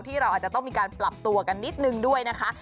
เราอาจจะต้องมีการปรับตัวกันนิดนึงด้วยนะคะ